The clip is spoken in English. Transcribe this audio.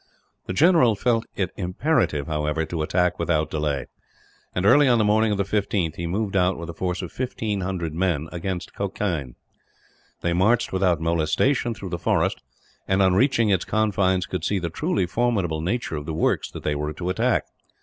The general felt it imperative, however, to attack without delay and, early on the morning of the 15th, he moved out with a force of 1500 men against Kokein. They marched without molestation through the forest and, on reaching its confines, could see the truly formidable nature of the works that they were to attack.